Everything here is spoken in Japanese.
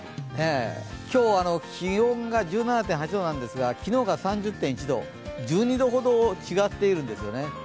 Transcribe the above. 今日、気温が１７．８度なんですが昨日が３０．１度、１２度ほど違っているんですよね。